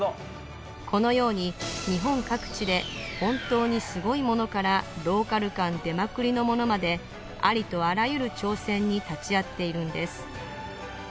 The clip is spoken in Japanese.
このように日本各地で本当にすごいものからローカル感出まくりのものまでありとあらゆる挑戦に立ち会っているんです